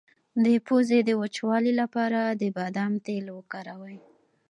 د پوزې د وچوالي لپاره د بادام تېل وکاروئ